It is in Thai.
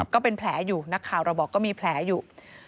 ก็เป็นแผลอยู่นักข่าวเราบอกก็มีแผลอยู่